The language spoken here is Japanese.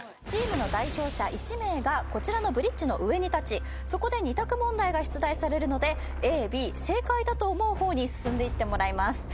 チームの代表者１名がこちらのブリッジの上に立ちそこで２択問題が出題されるのでＡＢ正解だと思う方に進んでいってもらいます。